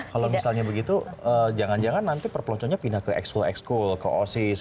kalau misalnya begitu jangan jangan nanti perpelonconnya pindah ke ekskul ekskul ke oasis